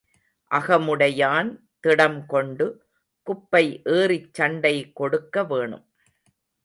அகமுடையான் திடம்கொண்டு குப்பை ஏறிச் சண்டை கொடுக்க வேணும்.